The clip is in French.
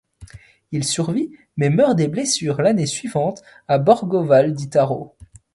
Il survit, mais meurt des blessures l'année suivante à Borgo Val di Taro.